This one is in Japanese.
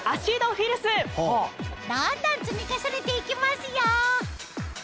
どんどん積み重ねて行きますよ！